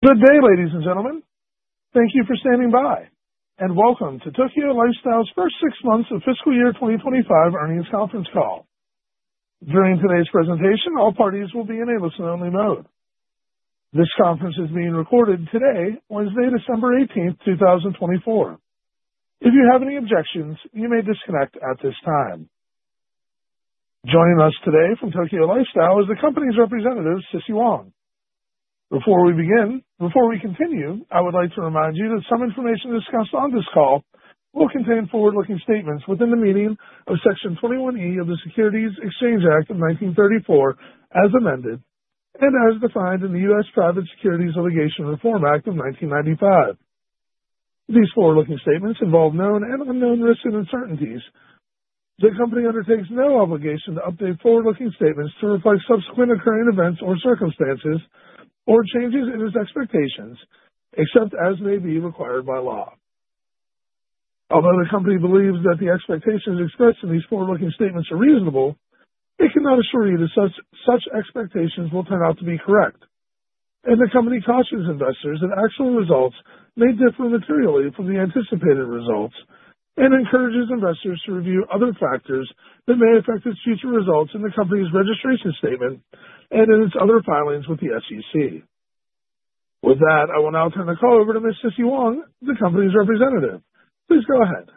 Good day, ladies and gentlemen. Thank you for standing by, and welcome to Tokyo Lifestyle's first six months of fiscal year 2025 earnings conference call. During today's presentation, all parties will be in a listen-only mode. This conference is being recorded today, Wednesday, December 18th, 2024. If you have any objections, you may disconnect at this time. Joining us today from Tokyo Lifestyle is the company's representative, Sissy Wang. Before we begin, before we continue, I would like to remind you that some information discussed on this call will contain forward-looking statements within the meaning of Section 21E of the Securities Exchange Act of 1934, as amended and as defined in the U.S. Private Securities Litigation Reform Act of 1995. These forward-looking statements involve known and unknown risks and uncertainties. The company undertakes no obligation to update forward-looking statements to reflect subsequent occurring events or circumstances or changes in its expectations, except as may be required by law. Although the company believes that the expectations expressed in these forward-looking statements are reasonable, it cannot assure you that such expectations will turn out to be correct, and the company cautions investors that actual results may differ materially from the anticipated results and encourages investors to review other factors that may affect its future results in the company's registration statement and in its other filings with the SEC. With that, I will now turn the call over to Ms. Sissy Wang, the company's representative. Please go ahead.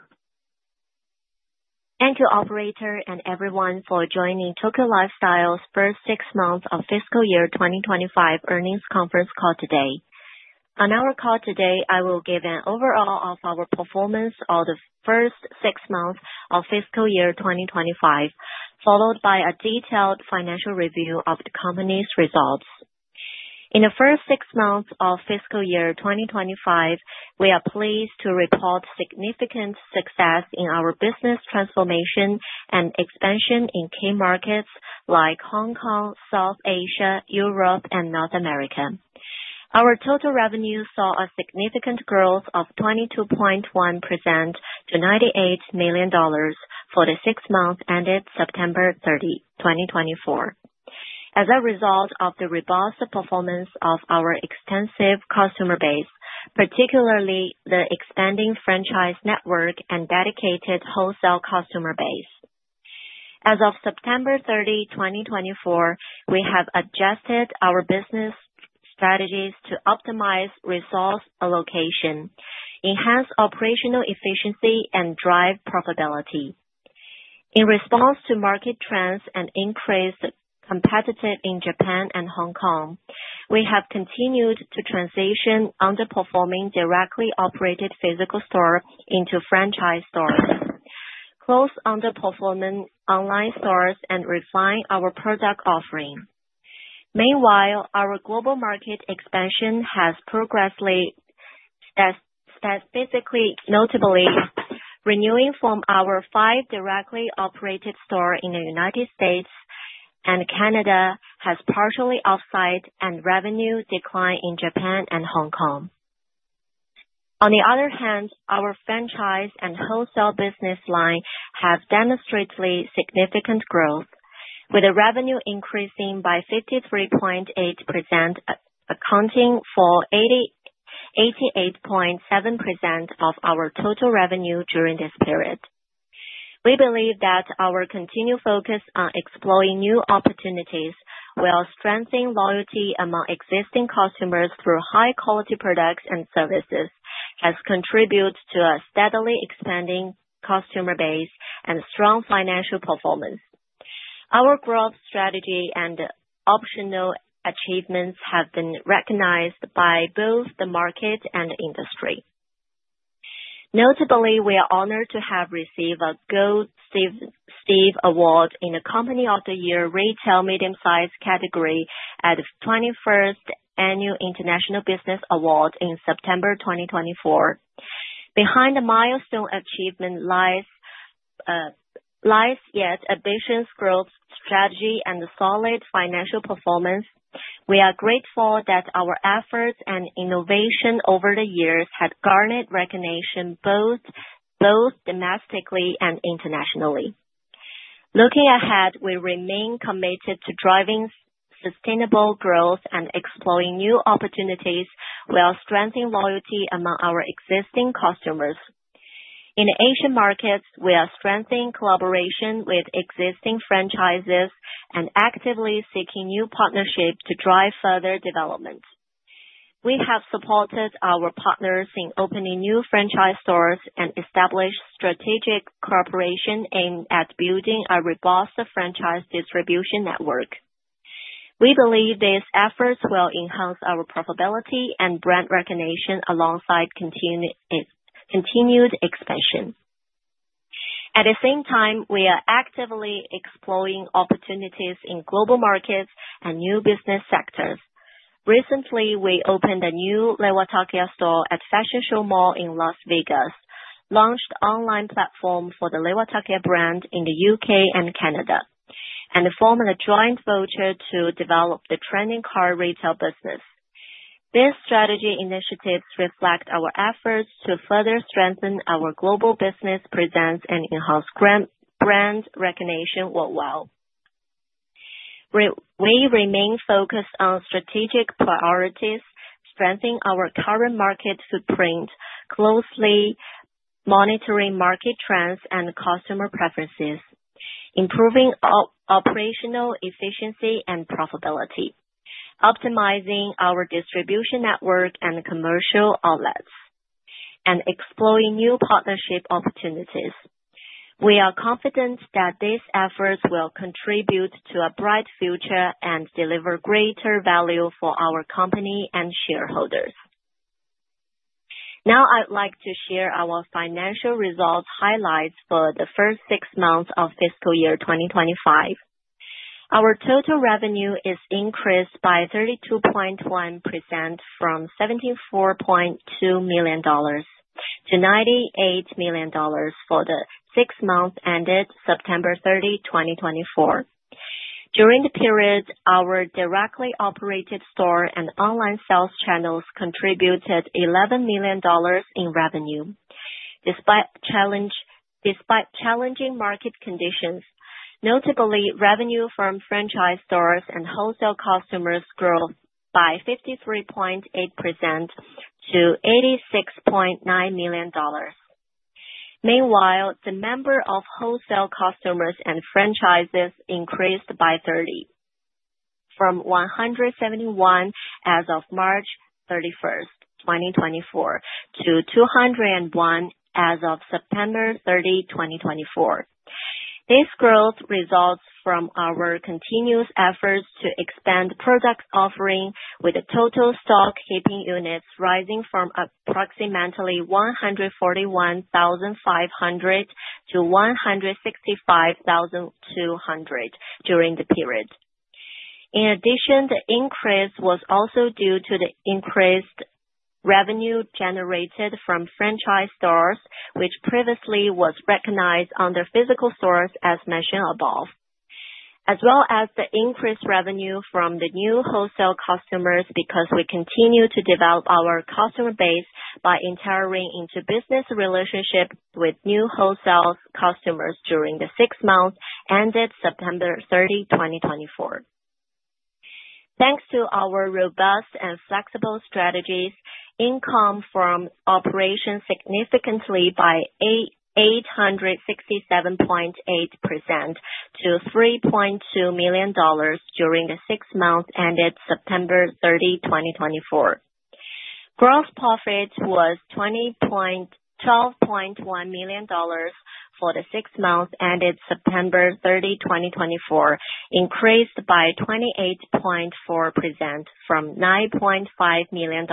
Thank you, operator, and everyone, for joining Tokyo Lifestyle's first six months of fiscal year 2025 earnings conference call today. On our call today, I will give an overview of our performance of the first six months of fiscal year 2025, followed by a detailed financial review of the company's results. In the first six months of fiscal year 2025, we are pleased to report significant success in our business transformation and expansion in key markets like Hong Kong, South Asia, Europe, and North America. Our total revenue saw a significant growth of 22.1% to $98 million for the six months ended September 30, 2024. As a result of the robust performance of our extensive customer base, particularly the expanding franchise network and dedicated wholesale customer base, as of September 30, 2024, we have adjusted our business strategies to optimize resource allocation, enhance operational efficiency, and drive profitability. In response to market trends and increased competitive demand in Japan and Hong Kong, we have continued to transition underperforming directly operated physical stores into franchise stores, close underperforming online stores, and refine our product offering. Meanwhile, our global market expansion has progressed notably renewing from our five directly operated stores in the United States and Canada has partially offset the revenue decline in Japan and Hong Kong. On the other hand, our franchise and wholesale business line have demonstrated significant growth, with the revenue increasing by 53.8%, accounting for 88.7% of our total revenue during this period. We believe that our continued focus on exploring new opportunities while strengthening loyalty among existing customers through high-quality products and services has contributed to a steadily expanding customer base and strong financial performance. Our growth strategy and operational achievements have been recognized by both the market and industry. Notably, we are honored to have received a Gold Stevie Award in the Company of the Year Retail Medium Size category at the 21st Annual International Business Awards in September 2024. Behind the milestone achievement lies ambitions, growth strategy, and solid financial performance. We are grateful that our efforts and innovation over the years have garnered recognition both domestically and internationally. Looking ahead, we remain committed to driving sustainable growth and exploring new opportunities while strengthening loyalty among our existing customers. In Asian markets, we are strengthening collaboration with existing franchises and actively seeking new partnerships to drive further development. We have supported our partners in opening new franchise stores and established strategic cooperation aimed at building a robust franchise distribution network. We believe these efforts will enhance our profitability and brand recognition alongside continued expansion. At the same time, we are actively exploring opportunities in global markets and new business sectors. Recently, we opened a new Reiwatakiya store at Fashion Show Mall in Las Vegas, launched an online platform for the Reiwatakiya brand in the U.K. and Canada, and formed a joint venture to develop the trading card retail business. These strategic initiatives reflect our efforts to further strengthen our global business presence and enhance brand recognition worldwide. We remain focused on strategic priorities, strengthening our current market footprint, closely monitoring market trends and customer preferences, improving operational efficiency and profitability, optimizing our distribution network and commercial outlets, and exploring new partnership opportunities. We are confident that these efforts will contribute to a bright future and deliver greater value for our company and shareholders. Now, I'd like to share our financial results highlights for the first six months of fiscal year 2025. Our total revenue is increased by 32.1% from $74.2 million to $98 million for the six months ended September 30, 2024. During the period, our directly operated store and online sales channels contributed $11 million in revenue. Despite challenging market conditions, notably, revenue from franchise stores and wholesale customers grew by 53.8% to $86.9 million. Meanwhile, the number of wholesale customers and franchises increased by 30 from 171 as of March 31, 2024, to 201 as of September 30, 2024. This growth results from our continuous efforts to expand product offering, with the total stock keeping units rising from approximately 141,500 to 165,200 during the period. In addition, the increase was also due to the increased revenue generated from franchise stores, which previously was recognized under physical stores as mentioned above, as well as the increased revenue from the new wholesale customers because we continue to develop our customer base by entering into business relationships with new wholesale customers during the six months ended September 30, 2024. Thanks to our robust and flexible strategies, income from operations significantly by 867.8% to $3.2 million during the six months ended September 30, 2024. Gross profit was $12.1 million for the six months ended September 30, 2024, increased by 28.4% from $9.5 million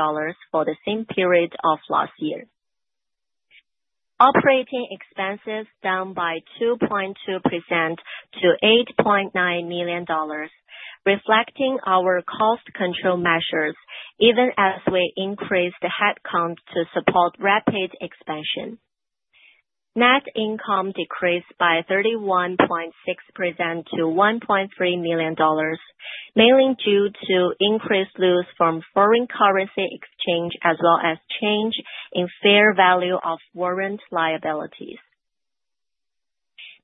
for the same period of last year. Operating expenses down by 2.2% to $8.9 million, reflecting our cost control measures even as we increased the headcount to support rapid expansion. Net income decreased by 31.6% to $1.3 million, mainly due to increased loss from foreign currency exchange as well as change in fair value of warrant liabilities.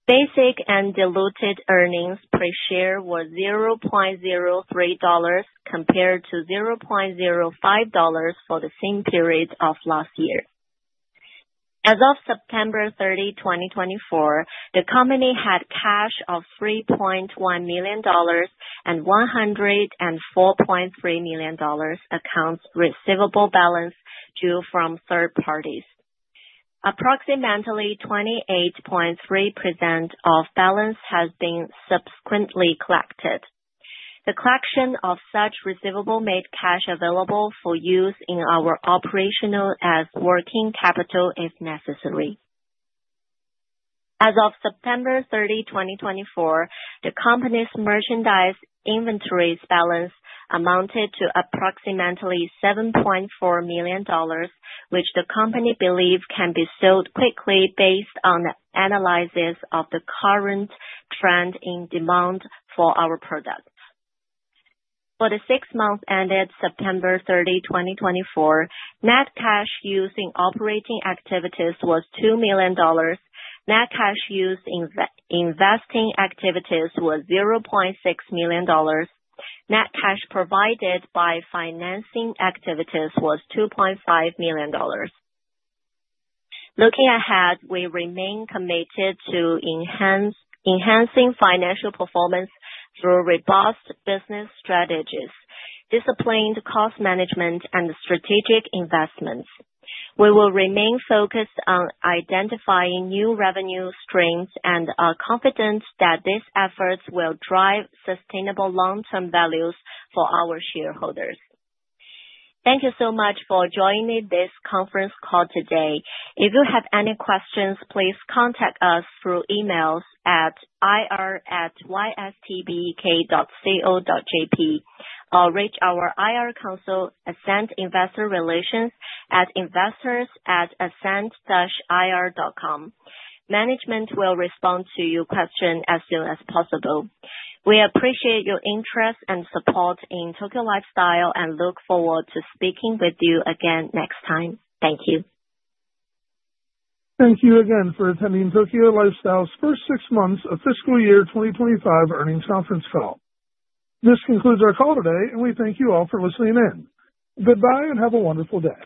Basic and diluted earnings per share were $0.03 compared to $0.05 for the same period of last year. As of September 30, 2024, the company had cash of $3.1 million and $104.3 million accounts receivable balance due from third parties. Approximately 28.3% of balance has been subsequently collected. The collection of such receivable made cash available for use in our operational as working capital if necessary. As of September 30, 2024, the company's merchandise inventories balance amounted to approximately $7.4 million, which the company believes can be sold quickly based on analysis of the current trend in demand for our products. For the six months ended September 30, 2024, net cash used in operating activities was $2 million. Net cash used in investing activities was $0.6 million. Net cash provided by financing activities was $2.5 million. Looking ahead, we remain committed to enhancing financial performance through robust business strategies, disciplined cost management, and strategic investments. We will remain focused on identifying new revenue streams and are confident that these efforts will drive sustainable long-term values for our shareholders. Thank you so much for joining this conference call today. If you have any questions, please contact us through emails at ir@ystbk.co.jp or reach our IR consultant, Ascent Investor Relations, at investors@ascent-ir.com. Management will respond to your question as soon as possible. We appreciate your interest and support in Tokyo Lifestyle and look forward to speaking with you again next time. Thank you. Thank you again for attending Tokyo Lifestyle's first six months of fiscal year 2025 earnings conference call. This concludes our call today, and we thank you all for listening in. Goodbye and have a wonderful day.